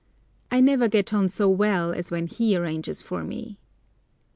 I never get on so well as when he arranges for me.